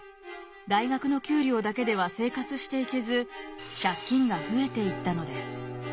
大学の給料だけでは生活していけず借金が増えていったのです。